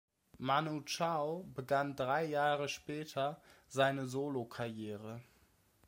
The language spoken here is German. Manu Chao begann drei Jahre später seine Solokarriere.